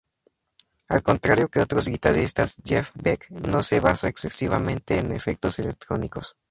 Al contrario que otros guitarristas, Jeff Beck no se basa excesivamente en efectos electrónicos.